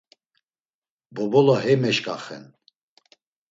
Bobola hey meşǩaxen.